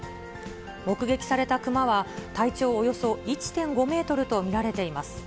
目撃された熊は、体長およそ１．５メートルと見られています。